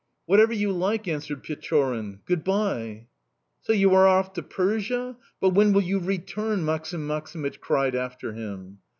"Whatever you like!" answered Pechorin. "Good bye."... "So you are off to Persia?... But when will you return?" Maksim Maksimych cried after him.